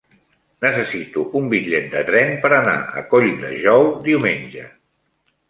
Necessito un bitllet de tren per anar a Colldejou diumenge.